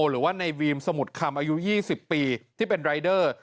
หรือว่าในวีมสมุดคำอายุ๒๐ปีที่เป็นรายเดอร์